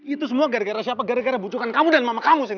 itu semua gara gara siapa gara gara butuhkan kamu dan mama kamu